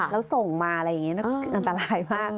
แล้วส่งมาอะไรอย่างนี้อันตรายมาก